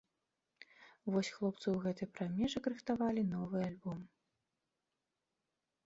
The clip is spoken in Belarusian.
Вось хлопцы ў гэты прамежак рыхтавалі новы альбом.